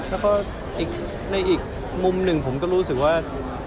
แล้วก็อีกมุมหนึ่งผมก็รู้สึกว่า